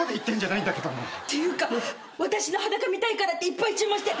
っていうか私の裸見たいからっていっぱい注文して。